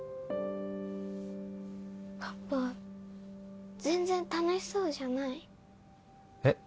パパ全然楽しそうじゃないえっ？